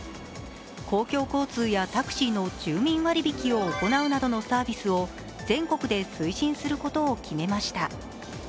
公共交通やタクシーの住民割引を行うなどのサービスを全国で推進することを決めました。